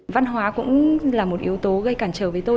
văn hóa cũng là một yếu tố gây cản trở với tôi